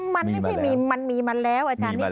มันไม่ใช่มันมีมาแล้วอาจารย์นิด